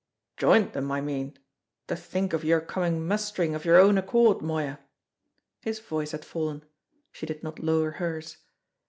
"Joined them, I mean. To think of your coming mustering of your own accord, Moya!" His voice had fallen; she did not lower hers.